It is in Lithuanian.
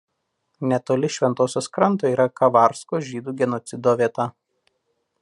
Netoli Šventosios kranto yra Kavarsko žydų genocido vieta.